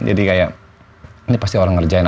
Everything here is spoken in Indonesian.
jadi kayak ini pasti orang ngerjain